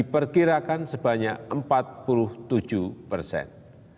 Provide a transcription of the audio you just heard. diperkirakan sebanyak empat puluh tujuh persen